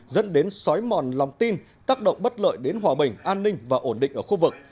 dẫn đến xói mòn lòng tin tác động bất lợi đến hòa bình an ninh và ổn định ở khu vực